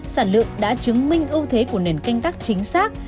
sản lượng đã chứng minh ưu thế của nền canh tác chính xác